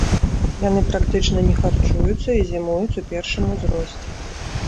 Яны практычна не харчуюцца і зімуюць у першым узросце.